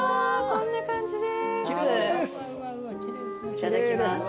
いただきます。